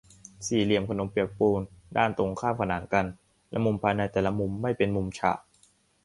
สี่เหลี่ยมขนมเปียกปูน ด้านตรงข้ามขนานกัน และมุมภายในแต่ละมุมไม่เป็นมุมฉาก